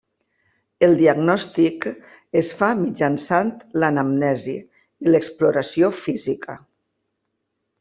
El diagnòstic es fa mitjançant l'anamnesi i l'exploració física.